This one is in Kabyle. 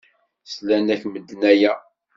Slan akk medden aya?